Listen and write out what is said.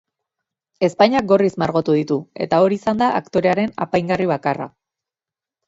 Ezpainak gorriz margotu ditu eta hori izan da aktorearen apaingarri bakarra.